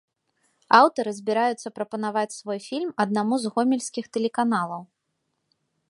Аўтары збіраюцца прапанаваць свой фільм аднаму з гомельскіх тэлеканалаў.